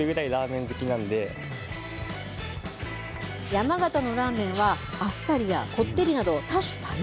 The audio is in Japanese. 山形のラーメンは、あっさりやこってりなど、多種多様。